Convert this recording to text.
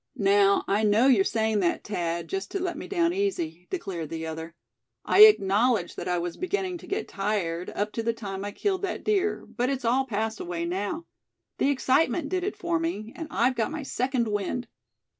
"Now, I know you're saying that, Thad, just to let me down easy," declared the other. "I acknowledge that I was beginning to get tired, up to the time I killed that deer; but it's all passed away now. The excitement did it for me; and I've got my second wind."